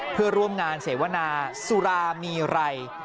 เพื่อร่วมงานเสวนาสุรามีไร